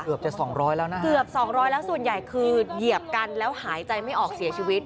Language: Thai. เกือบจะสองร้อยแล้วนะเกือบสองร้อยแล้วส่วนใหญ่คือเหยียบกันแล้วหายใจไม่ออกเสียชีวิต